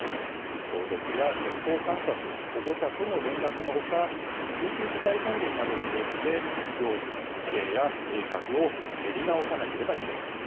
消毒や健康観察保護者との連絡のほか緊急事態宣言などに応じて行事の日程や計画を練り直さなければいけません。